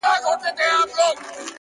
علم د بې لارې کېدو مخه نیسي,